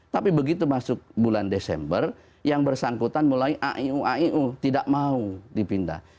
tapi begitu masuk bulan desember yang bersangkutan mulai aiu aiu tidak mau dipindah